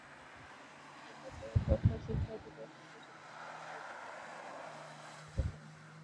প্রকৃতির কঠোর শিক্ষাই যদি একমাত্র শিক্ষা হত তবে বিধাতা বাপমায়ের মনে স্নেহটুকু দিতেন না।